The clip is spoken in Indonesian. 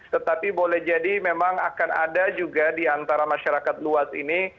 tetapi boleh jadi memang akan ada juga di antara masyarakat luas ini